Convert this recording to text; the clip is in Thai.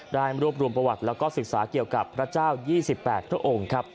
ได้รวบรวมประวัติแล้วก็ศึกษาเกี่ยวกับพระเจ้า๒๘พระองค์ครับ